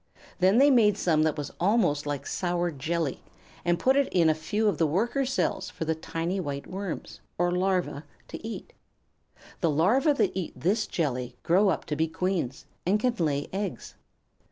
Then they made some that was almost like sour jelly, and put it in a few of the Worker cells for the tiny white worms, or Larvæ, to eat. The Larvæ that eat this jelly grow up to be Queens, and can lay eggs.